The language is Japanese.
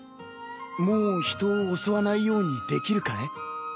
もう人を襲わないようにできるかい？